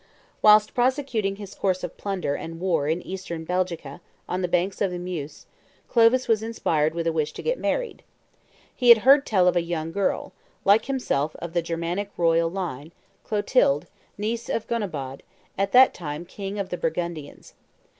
Whilst prosecuting his course of plunder and war in Eastern Belgica, on the banks of the Meuse, Clovis was inspired with a wish to get married. He had heard tell of a young girl, like himself of the Germanic royal line, Clotilde, niece of Gondebaud, at that time king of the Burgundians.